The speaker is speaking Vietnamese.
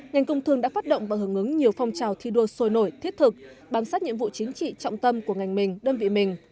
ngành công thương đã phát động và hưởng ứng nhiều phong trào thi đua sôi nổi thiết thực bám sát nhiệm vụ chính trị trọng tâm của ngành mình đơn vị mình